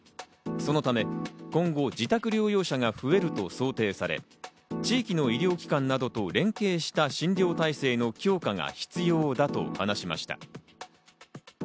そのため今後、自宅療養者が増えると想定され、地域の医療機関などと連携した診療体制の強化が必要だと話しました。